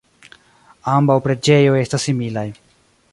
Ambaŭ preĝejoj estas similaj.